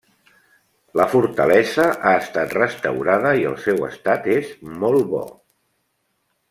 La fortalesa ha estat restaurada i el seu estat és molt bo.